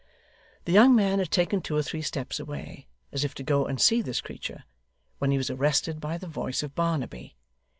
The young man had taken two or three steps away, as if to go and see this creature, when he was arrested by the voice of Barnaby.